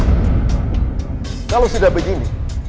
kalo sudah begini